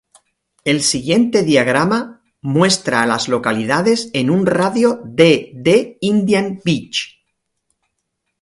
El siguiente diagrama muestra a las localidades en un radio de de Indian Beach.